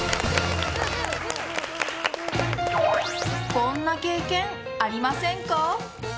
こんな経験ありませんか？